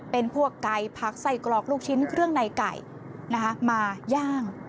เป็นพวกไก่ผักไส้กรอกลูกชิ้นเครื่องในไก่มาย่าง